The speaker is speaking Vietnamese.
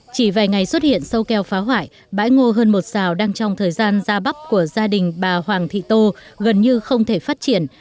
chỉ vài ngày xuất hiện sâu keo phá hoại bãi ngô hơn một sào đang trong thời gian ra bắp của gia đình bà hoàng thị tô gần như không thể phát triển